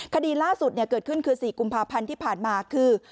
คดีล่าสุดเกิดขึ้นคือ๔กุมภาพันธ์ที่ผ่านมาคือ